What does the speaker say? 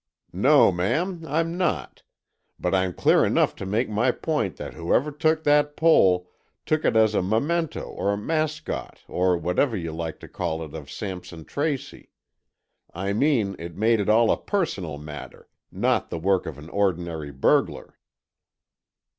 "No, ma'am, I'm not. But I'm clear enough to make my point that whoever took that pole took it as a memento or mascot or whatever you like to call it of Sampson Tracy. I mean it made it all a personal matter, not the work of an ordinary burglar."